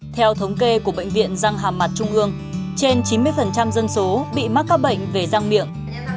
theo thống kê của bệnh viện răng hàm mặt trung ương trên chín mươi dân số bị mắc các bệnh về răng miệng